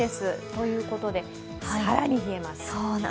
ということで、更に冷えます。